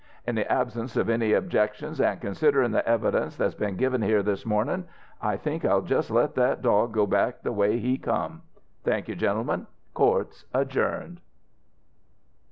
"In the absence of any objections, an' considerin' the evidence that's been given here this mornin', I think I'll just let that dog go back the way he come. Thank you, gentlemen. Court's adjourned!"